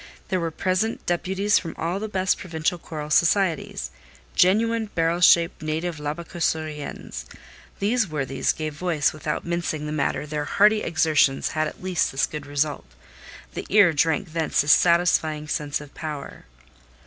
There were present deputies from all the best provincial choral societies; genuine, barrel shaped, native Labassecouriens. These worthies gave voice without mincing the matter their hearty exertions had at least this good result—the ear drank thence a satisfying sense of power.